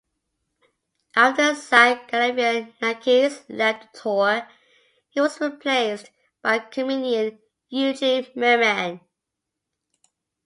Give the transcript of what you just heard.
After Zach Galifianakis left the tour, he was replaced by comedian Eugene Mirman.